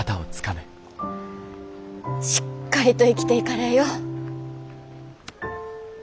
しっかりと生きていかれえよ。